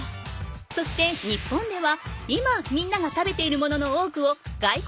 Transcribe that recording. そして日本では今みんなが食べている物の多くを外国から買っているの。